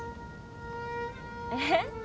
えっ？